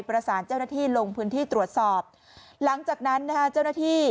ประสานเจ้าหน้าที่ลงพื้นที่ตรวจสอบหลังจากนั้นนะฮะเจ้าหน้าที่